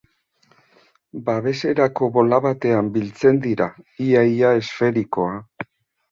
Babeserako bola batean biltzen dira, ia-ia esferikoa.